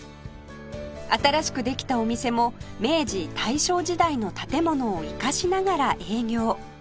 新しくできたお店も明治大正時代の建物を生かしながら営業